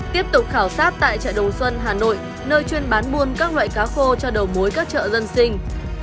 tiếp tục khảo sát tại chợ đầu xuân hà nội nơi chuyên bán buôn các loại cá khô cho đầu mối các chợ dân sinh